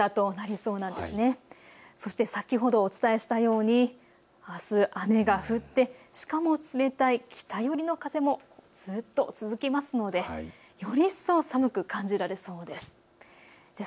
そして先ほどお伝えしたようにあす雨が降って、しかも冷たい北寄りの風もずっと続きますのでより一層寒く感じられそうです。